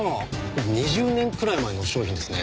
２０年くらい前の商品ですね。